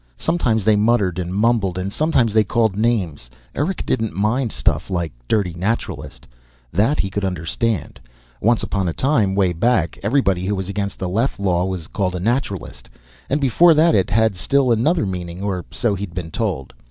Sometimes they muttered and mumbled, and sometimes they called names. Eric didn't mind stuff like "dirty Naturalist." That he could understand once upon a time, way back, everybody who was against the Leff Law was called a Naturalist. And before that it had still another meaning, or so he'd been told.